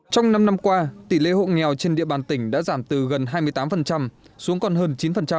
trong năm năm qua tỷ lệ hộ nghèo trên địa bàn tỉnh đã giảm từ gần hai mươi tám xuống còn hơn chín